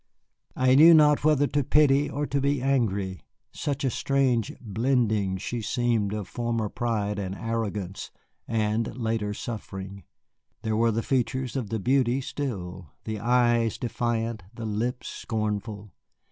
I knew not whether to pity or to be angry, such a strange blending she seemed of former pride and arrogance and later suffering. There were the features of the beauty still, the eyes defiant, the lips scornful.